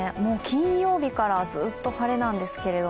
金曜日からずっと晴れなんです。